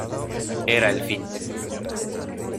Era el fin.